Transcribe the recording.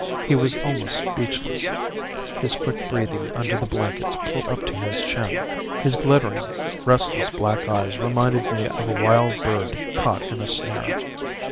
He was almost speechless; his quick breathing under the blankets pulled up to his chin, his glittering, restless black eyes reminded me of a wild bird caught in a snare.